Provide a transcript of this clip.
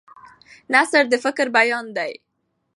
نثر د فکر بیان دی.